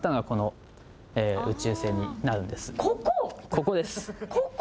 ここです。